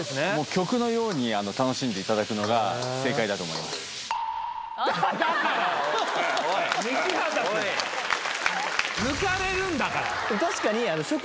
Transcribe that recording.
曲のように楽しんでいただくのが正解だと思いますだから西畑くん！